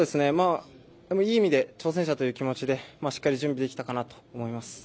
いい意味で挑戦者という気持ちで、しっかり準備できたかなと思います。